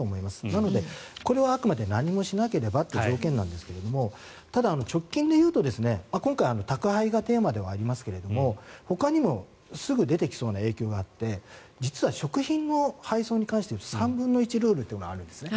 なので、これはあくまで何もしなければという条件ですがただ、直近で言うと今回宅配がテーマではありますがほかにもすぐ出てきそうな影響があって実は食品の配送に関していうと３分の１ルールというのがあるんですね。